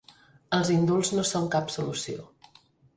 Els indults no són cap solució.